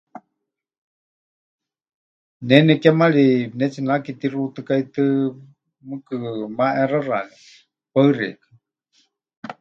Ne nekemari pɨnetsinake tixuutɨ́kaitɨ, mɨɨkɨ maʼexaxani. Paɨ xeikɨ́a.